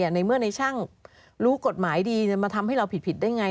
ในเมื่อในช่างรู้กฎหมายดีมาทำให้เราผิดได้ไง